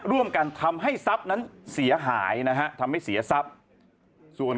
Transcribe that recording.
ร่วมกันทำให้ทรัพย์นั้นเสียหายนะฮะทำให้เสียทรัพย์ส่วน